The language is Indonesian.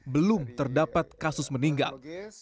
belum terdapat kasus meninggal